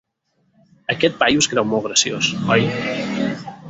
Aquest paio es creu molt graciós, oi?